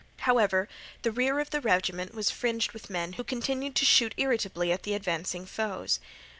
However, the rear of the regiment was fringed with men, who continued to shoot irritably at the advancing foes.